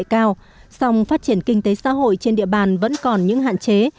với tỷ lệ cao song phát triển kinh tế xã hội trên địa bàn vẫn còn những hạn chế